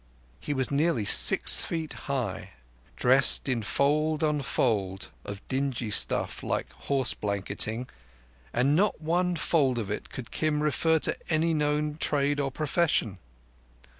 He was nearly six feet high, dressed in fold upon fold of dingy stuff like horse blanketing, and not one fold of it could Kim refer to any known trade or profession.